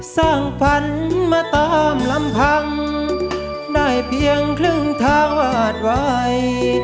สร้างฝันมาตามลำพังได้เพียงครึ่งทางวาดไว้